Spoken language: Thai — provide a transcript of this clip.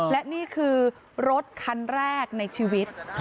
และนี่คือรถคันแรกในชีวิต